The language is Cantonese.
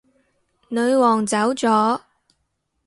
女皇走咗